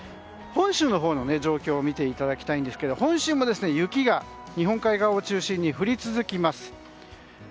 本州の状況も見ていただきたいんですが本州も雪が日本海側を中心に降り続きます。